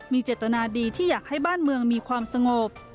มีเจตนาดีที่อยากให้บ้านเมืองมีความสงบ